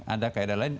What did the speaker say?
ada kaedah lain